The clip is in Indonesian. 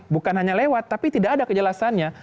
bukan hanya lewat tapi tidak ada kejelasannya